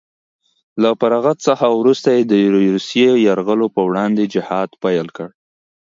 له فراغت څخه وروسته یې د روسیې یرغلګرو په وړاندې جهاد پیل کړ